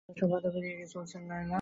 তবে সব বাধা পেরিয়ে এগিয়েই চলছিলেন লায়লা।